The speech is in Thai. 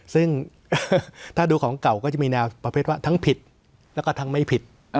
ซึ่งถ้าดูของเก่าก็จะมีแนวประเภทว่าทั้งผิดแล้วก็ทั้งไม่ผิด